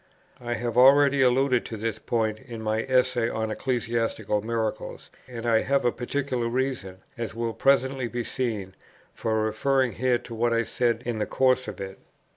I have already alluded to this point in my Essay on Ecclesiastical Miracles, and I have a particular reason, as will presently be seen, for referring here to what I said in the course of it.